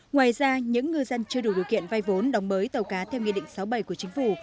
ngoài ra những ngư dân chưa đủ điều kiện vay vốn đóng mới tàu cá theo nghị định sáu mươi bảy của chính phủ